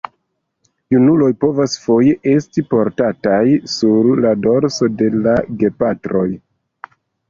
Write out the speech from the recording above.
Junuloj povas foje esti portataj sur la dorso de la gepatroj.